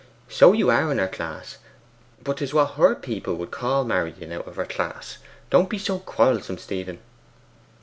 So you are in her class, but 'tis what HER people would CALL marrying out of her class. Don't be so quarrelsome, Stephen!